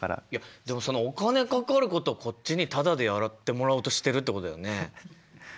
でもそのお金かかることをこっちにタダでやってもらおうとしてるってことだよね？